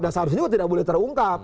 dan seharusnya juga tidak boleh terungkap